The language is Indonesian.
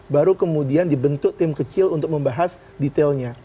baru kemudian dibentuk tim kecil untuk membahas detailnya